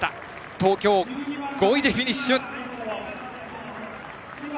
東京、５位でフィニッシュ。